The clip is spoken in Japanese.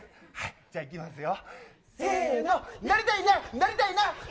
じゃあ、いきますよ。